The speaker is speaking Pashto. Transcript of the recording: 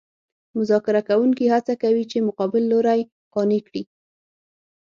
مذاکره کوونکي هڅه کوي چې مقابل لوری قانع کړي